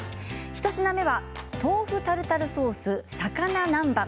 一品目は豆腐タルタルソース魚南蛮。